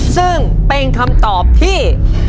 ซึ่งเป็นคำตอบที่